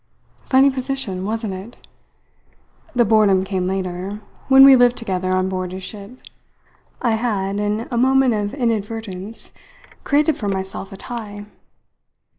Funny position, wasn't it? The boredom came later, when we lived together on board his ship. I had, in a moment of inadvertence, created for myself a tie.